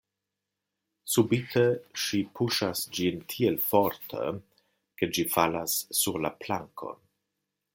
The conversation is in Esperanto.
Subite ŝi puŝas ĝin tiel forte, ke ĝi falas sur la plankon.